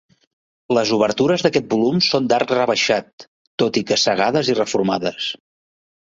Les obertures d'aquest volum són d'arc rebaixat, tot i que cegades i reformades.